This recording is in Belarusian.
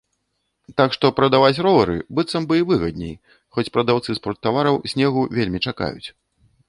Так што прадаваць ровары быццам бы і выгадней, хоць прадаўцы спорттавараў снегу вельмі чакаюць.